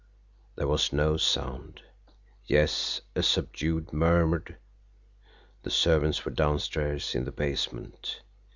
There was no sound yes, a subdued murmured the servants were downstairs in the basement.